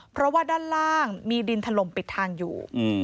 เพราะว่าด้านล่างมีดินถล่มปิดทางอยู่